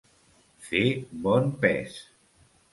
Fer bon pes.